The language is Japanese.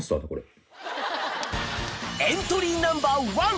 エントリーナンバー１